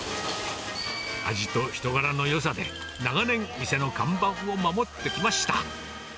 味と人柄のよさで、長年、店の看板を守ってきました。